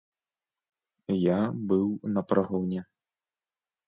Я быў на прагоне.